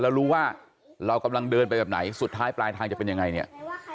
เรารู้ว่าเรากำลังเดินไปแบบไหนสุดท้ายปลายทางจะเป็นยังไงเนี่ย